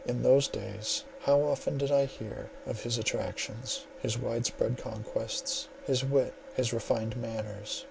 In those days how often did I hear of his attractions, his wide spread conquests, his wit, his refined manners.